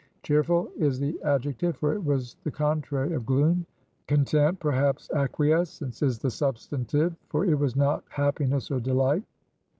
Cheerful is the adjective, for it was the contrary of gloom; content perhaps acquiescence is the substantive, for it was not Happiness or Delight.